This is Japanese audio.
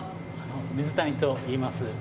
水谷といいます。